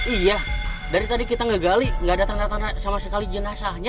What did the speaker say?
iya dari tadi kita gak gali gak ada tanda tanda sama sekali jenazahnya